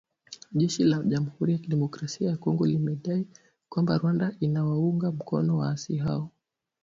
Jeshi la Jamhuri ya kidemokrasia ya Kongo limedai kwamba Rwanda inawaunga mkono waasi hao.